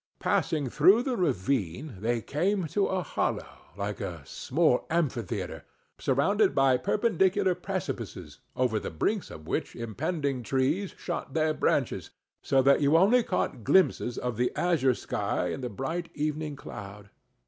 Passing through the ravine, they came to a hollow, like a small amphitheatre, surrounded by perpendicular precipices, over the brinks of which impending trees shot their branches, so that you only caught glimpses of the azure sky and the bright evening cloud.